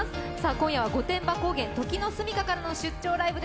今夜は御殿場高原時之栖からの「出張ライブ！」